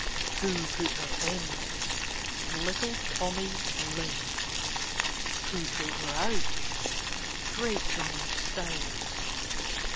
Who put her in ? Little Tommy Lin. Who pulled her out ? Great Johnny Stout.